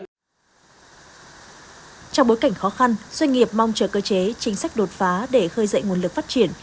trong bối cảnh khó khăn doanh nghiệp mong chờ cơ chế chính sách đột phá để khơi dậy nguồn lực phát triển